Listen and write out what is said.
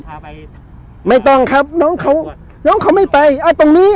พาไปไม่ต้องครับน้องเขาน้องเขาไม่ไปเอาตรงนี้